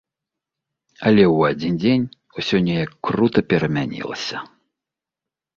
Але ў адзін дзень усё неяк крута перамянілася.